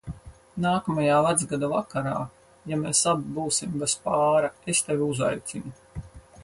Nākamajā Vecgada vakarā, ja mēs abi būsim bez pāra, es tevi uzaicinu.